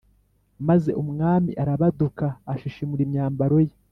Maze umwami arabaduka ashishimura imyambaro ye